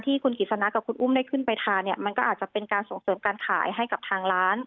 คุณกิจสนะกับคุณอุ้มได้ขึ้นไปทานเนี่ยมันก็อาจจะเป็นการส่งเสริมการขายให้กับทางร้าน